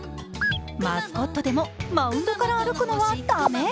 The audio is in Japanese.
マスコットでもマウンドから歩くのはダメ。